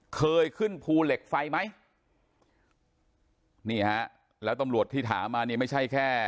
เคยขึ้นภูเหล็กไฟไหมนี่ฮะแล้วตำรวจที่ถามมานี่ไม่ใช่แค่